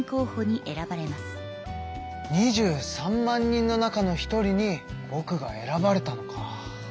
２３万人の中の一人にぼくが選ばれたのか。